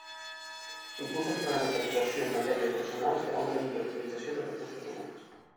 Impulsa els programes d'actuació en matèria de personal per a una millor optimització dels recursos humans.